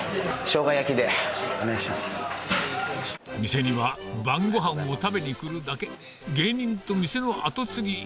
店には晩ごはんを食べに来るだけ芸人と店の跡継ぎ